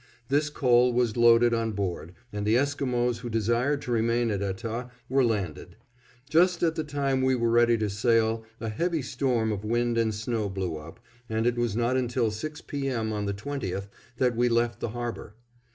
This coal was loaded on board and the Esquimos who desired to remain at Etah were landed. Just at the time we were ready to sail a heavy storm of wind and snow blew up, and it was not until six P. M. on the 20th that we left the harbor.